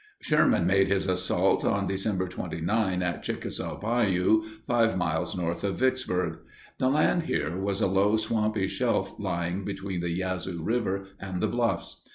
Sherman made his assault on December 29 at Chickasaw Bayou, 5 miles north of Vicksburg. The land here was a low, swampy shelf lying between the Yazoo River and the bluffs.